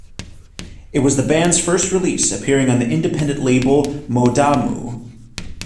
It was the band's first release, appearing on the independent label Mo-Da-Mu.